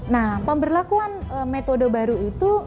nah pemberlakuan metode baru itu